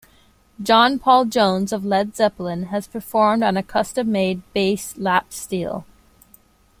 John Paul Jones of Led Zeppelin has performed on a custom-made bass lap steel.